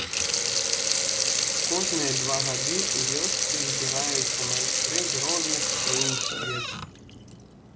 Кожныя два гады ў вёсцы збіраюцца майстры з розных краін свету.